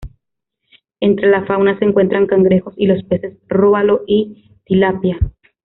Entre la fauna se encuentran cangrejos y los peces róbalo y tilapia.